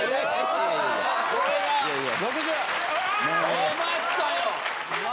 出ましたよ。